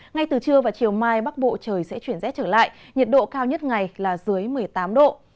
ngay từ trưa và chiều mai bắc bộ trời sẽ chuyển rét trở lại nhiệt độ cao nhất ngày là dưới một mươi tám độ